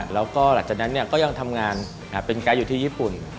แล้วก็หลังจากนั้นก็ยังทำงานเป็นไกด์อยู่ที่ญี่ปุ่น